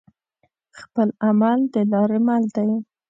خپل عمل د لاري مل وي